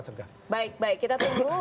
cegah baik baik kita tunggu